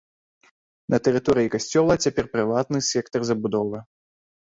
На тэрыторыі касцёла цяпер прыватны сектар забудовы.